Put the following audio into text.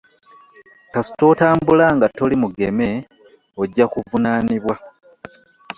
Kasita otambula nga toli mugeme ojja kuvunaanibwa.